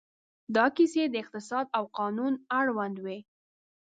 دا کیسې د اقتصاد او قانون اړوند وې.